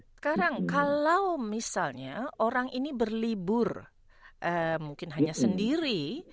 sekarang kalau misalnya orang ini berlibur mungkin hanya sendiri